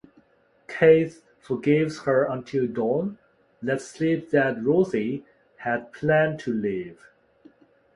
Keith forgives her until Dawn lets slip that Rosie had planned to leave.